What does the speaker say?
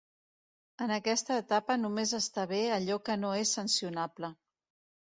En aquesta etapa només està bé allò que no és sancionable.